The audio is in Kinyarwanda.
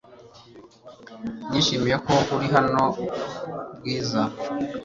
Nishimiye ko uri hano, Bwiza .